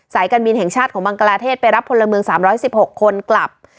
การบินแห่งชาติของบังกลาเทศไปรับพลเมือง๓๑๖คนกลับ